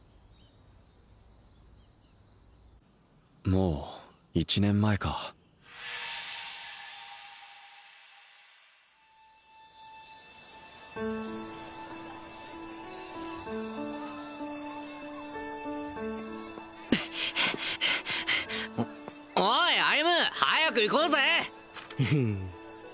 もう１年前かおい歩早く行こうぜ